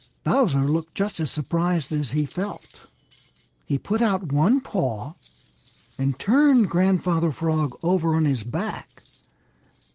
Bowser looked just as surprised as he felt. He put out one paw and turned Grandfather Frog over on his back.